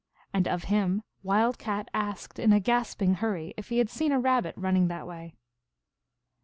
And of him Wild Cat asked in a gasping hurry if he had seen a Rabbit running that way.